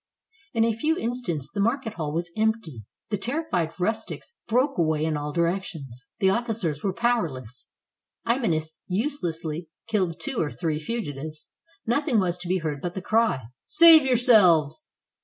In a few instants the market hall was empty; the terrified rustics broke away in all directions; the officers were powerless; Imanus uselessly killed two or three fugitives; nothing was to be heard but the cry, ''Save yourselves!"